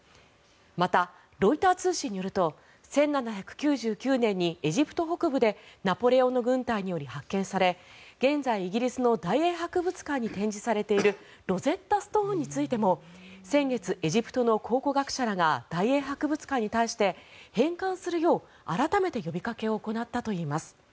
また、ロイター通信によると１７９９年にエジプト北部でナポレオンの軍隊により発見され現在、イギリスの大英博物館に展示されているロゼッタ・ストーンについても先月、エジプトの考古学者らが大英博物館に対して返還するよう改めて呼びかけを行ったといいます。